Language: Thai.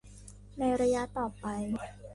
ในระยะต่อไป